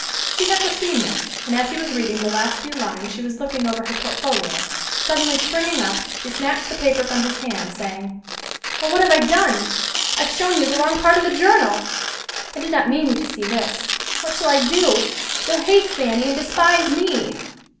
She had foreseen this, and as he was reading the last few lines she was looking over her portfolio. Suddenly springing up, she snatched the paper from his hands, saying, "Oh, what have I done? I've shown you the wrong part of the journal. I did not mean you to see this. What shall I do? You'll hate Fanny and despise me."